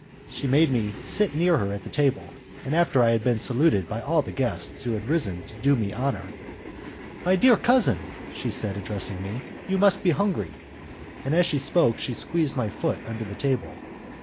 She made me sit near her at the table, after I had been saluted by all the guests who had risen to do me honour. "My dear cousin," she said, addressing me, "you must be hungry;" and as she spoke she squeezed my foot under the table.